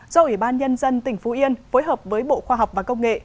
do ủy ban nhân dân tỉnh phú yên phối hợp với bộ khoa học và công nghệ